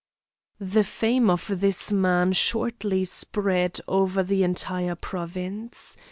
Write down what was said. The fame of this man shortly spread over the entire province.